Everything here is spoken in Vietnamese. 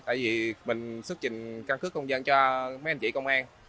tại vì mình xuất trình căn cước công dân cho mấy anh chị công an